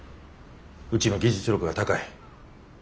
うちの技術力は高い。